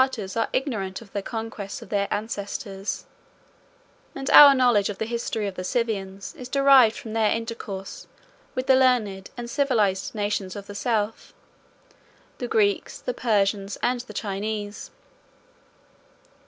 The modern Tartars are ignorant of the conquests of their ancestors; 16 and our knowledge of the history of the Scythians is derived from their intercourse with the learned and civilized nations of the South, the Greeks, the Persians, and the Chinese.